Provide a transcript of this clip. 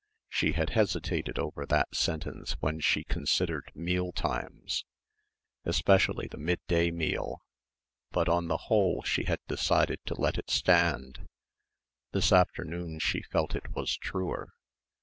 She had hesitated over that sentence when she considered meal times, especially the midday meal, but on the whole she had decided to let it stand this afternoon she felt it was truer.